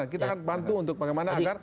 kita akan bantu untuk bagaimana agar